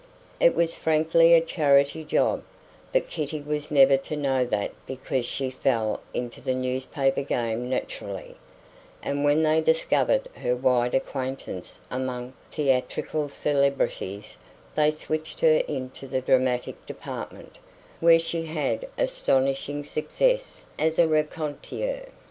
It was frankly a charity job, but Kitty was never to know that because she fell into the newspaper game naturally; and when they discovered her wide acquaintance among theatrical celebrities they switched her into the dramatic department, where she had astonishing success as a raconteur.